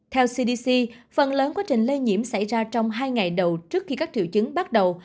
theo cdc phần lớn quá trình lây nhiễm xảy ra trong hai ngày đầu trước khi các triệu chứng bắt đầu